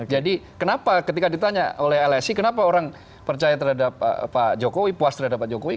jadi kenapa ketika ditanya oleh lsi kenapa orang percaya terhadap pak jokowi puas terhadap pak jokowi